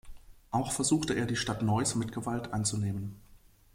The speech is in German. Auch versuchte er die Stadt Neuss mit Gewalt einzunehmen.